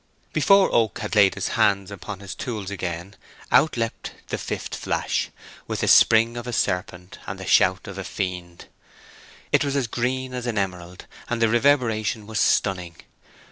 Before Oak had laid his hands upon his tools again out leapt the fifth flash, with the spring of a serpent and the shout of a fiend. It was green as an emerald, and the reverberation was stunning.